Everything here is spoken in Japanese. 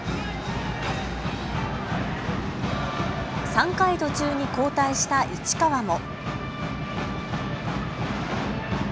３回途中に交代した市川も。